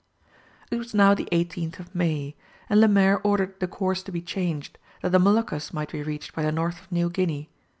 It was now the 18th of May, and Lemaire ordered the course to be changed, that the Moluccas might be reached by the north of New Guinea.